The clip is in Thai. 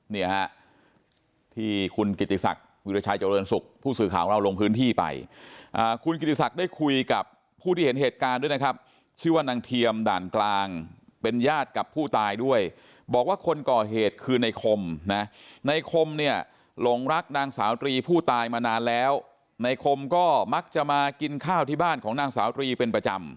เนี่ยฮะที่คุณกิติศักดิ์วิราชัยเจริญสุขผู้สื่อข่าวของเราลงพื้นที่ไปคุณกิติศักดิ์ได้คุยกับผู้ที่เห็นเหตุการณ์ด้วยนะครับชื่อว่านางเทียมด่านกลางเป็นญาติกับผู้ตายด้วยบอกว่าคนก่อเหตุคือในคมนะในคมเนี่ยหลงรักนางสาวตรีผู้ตายมานานแล้วในคมก็มักจะมากินข้าวที่บ้านของนางสาวตรีเป็นประจำ